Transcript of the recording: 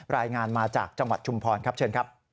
รายงานมาจากจังหวัดชุมพรครับเชิญครับ